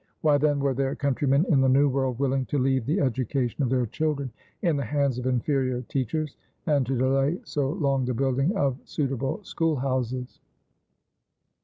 Why then were their countrymen in the New World willing to leave the education of their children in the hands of inferior teachers and to delay so long the building of suitable schoolhouses?